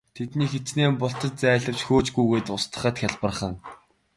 Тэднийг хэчнээн бултаж зайлавч хөөж гүйцээд устгахад хялбархан.